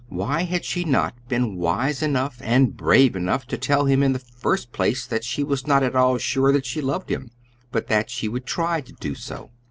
Why had she not been wise enough and brave enough to tell him in the first place that she was not at all sure that she loved him, but that she would try to do so?